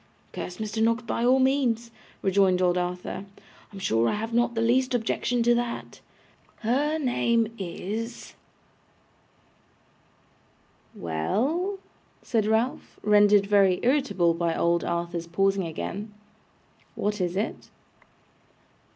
'Curse Mr. Noggs, by all means,' rejoined old Arthur; 'I am sure I have not the least objection to that. Her name is ' 'Well,' said Ralph, rendered very irritable by old Arthur's pausing again 'what is it?